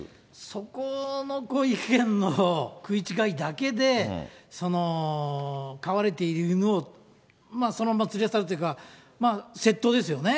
そこの意見の食い違いだけで、飼われている犬をそのまま連れ去るというか、窃盗ですよね。